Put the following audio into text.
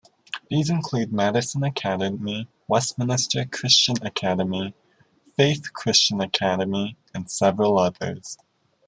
These include Madison Academy, Westminster Christian Academy, Faith Christian Academy, and several others.